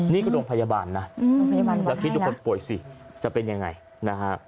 นี่ก็โรงพยาบาลนะแล้วคิดดูคนป่วยสิจะเป็นยังไงนะฮะ